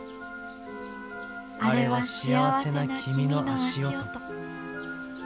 あれは幸せな君の足音。